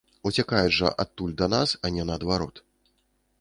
Уцякаюць жа адтуль да нас, а не наадварот.